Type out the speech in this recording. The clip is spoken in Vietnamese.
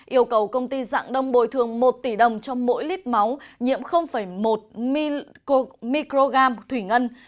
yêu cầu công ty dạng đông bồi thường một tỷ đồng cho mỗi lít máu nhiễm một microgram thủy ngân